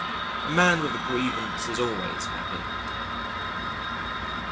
A man with a grievance is always happy.